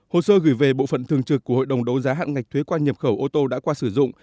hồ sơ gửi về bộ phận thường trực của hội đồng đấu giá hạn ngạch thuế quan nhập khẩu ô tô đã qua sử dụng